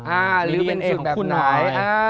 อ่าหรือเป็นสูตรแบบนั้น